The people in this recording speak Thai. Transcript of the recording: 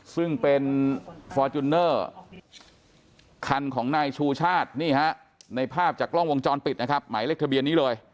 ซึ่งเป็นฟอร์จูเนอร์คันของนายชูชาตินี่ฮะในภาพจากกล้องวงจรปิดนะครับหมายเลขทะเบียนนี้เลย